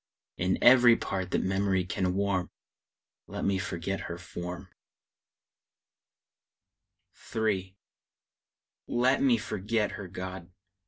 In every part that memory can warm, Let me forget her form! III. Let me forget her, God!